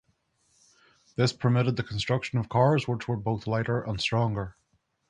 This permitted the construction of cars which were both lighter and stronger.